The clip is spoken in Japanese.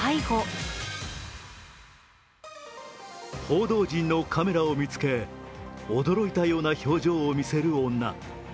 報道陣のカメラを見つけ、驚いたような表情を見せる女。